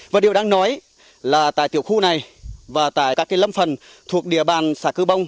và điều đáng nói là tại tiểu khu này và tại các lâm phần thuộc địa bàn xã cư bông